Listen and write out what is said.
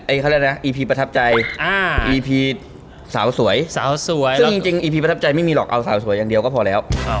เอาสาวสวยอย่างเดียวก็พอแล้ว